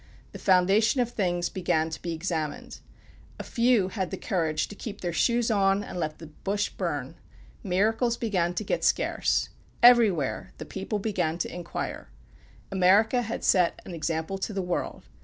The foundation of things began to be examined. A few had the courage to keep their shoes on and let the bush burn. Miracles began to get scarce. Everywhere the people began to inquire. America had set an example to the world.